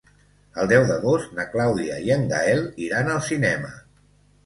El deu d'agost na Clàudia i en Gaël iran al cinema.